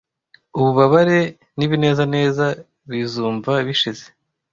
ububabare n'ibinezeza bizumva bishize